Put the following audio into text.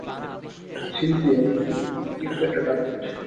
Cynthia, কিফ একটা target!